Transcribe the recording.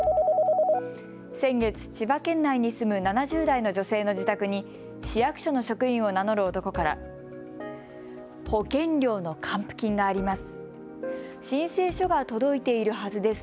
先月、千葉県内に住む７０代の女性の自宅に市役所の職員を名乗る男から保険料の還付金があります。